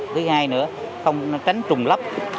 thứ hai nữa tránh trùng lấp